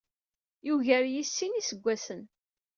Yugar-iyi s sin n yiseggasen.